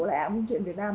hãng phim truyền việt nam